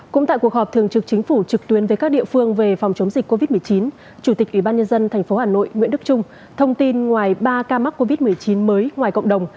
cũng tại cuộc họp thường trực chính phủ trực tuyến với các địa phương về phòng chống dịch covid một mươi chín chủ tịch ủy ban nhân dân tp hà nội nguyễn đức trung thông tin ngoài ba ca mắc covid một mươi chín mới ngoài cộng đồng